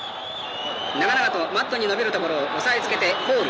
長々とマットにのびるところを押さえつけてフォール。